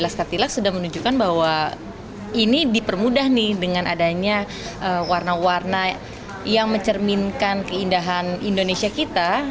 les katilak sudah menunjukkan bahwa ini dipermudah nih dengan adanya warna warna yang mencerminkan keindahan indonesia kita